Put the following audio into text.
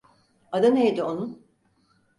Adı neydi onun?